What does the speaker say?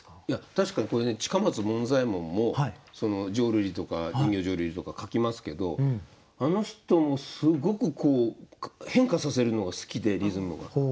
いや確かにこれね近松門左衛門も浄瑠璃とか人形浄瑠璃とか書きますけどあの人もすごくこう変化させるのが好きでリズムが。